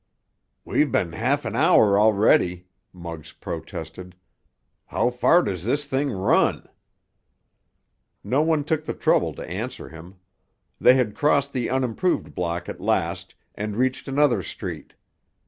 "We've been half an hour already!" Muggs protested. "How far does this thing run?" No one took the trouble to answer him. They had crossed the unimproved block at last and reached another street.